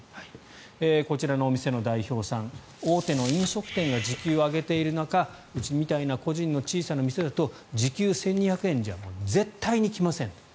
こちらのお店の代表さん大手の飲食店が時給を上げている中うちみたいな個人の小さな店だと時給１２００円じゃ絶対に来ませんと。